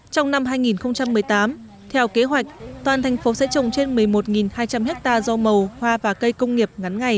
trong năm hai nghìn một mươi tám theo kế hoạch toàn thành phố sẽ trồng trên một mươi một hai trăm linh ha rau màu hoa và cây công nghiệp ngắn ngày